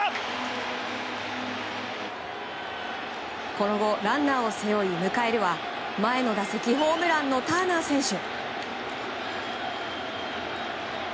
このあとランナーを背負い、迎えるは前の打席ホームランのターナー選手。